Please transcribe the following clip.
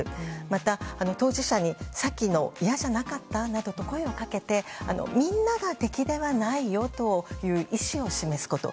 また当事者にさっきの嫌じゃなかったなどと声をかけてみんなが敵ではないよという意思を示すこと。